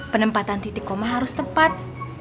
penempatan titik koma harus tepat